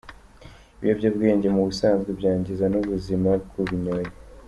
Ibiyobyabwenge mu busanzwe byangiza n’ubuzima bw’ubinyoye.